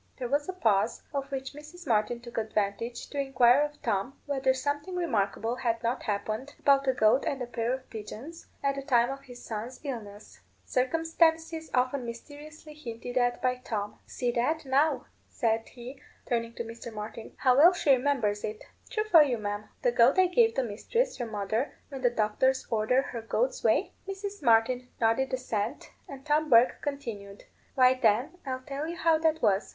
There was a pause, of which Mrs. Martin took advantage to inquire of Tom whether something remarkable had not happened about a goat and a pair of pigeons, at the time of his son's illness circumstances often mysteriously hinted at by Tom. "See that, now," said he, turning to Mr. Martin, "how well she remembers it! True for you, ma'am. The goat I gave the mistress, your mother, when the doctors ordered her goats' whey?" Mrs. Martin nodded assent, and Tom Bourke continued, "Why, then, I'll tell you how that was.